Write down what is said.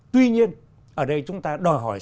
tuy nhiên ở đây chúng ta đòi hỏi